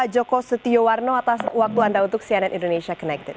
joko setiowarno atas waktu anda untuk cnn indonesia connected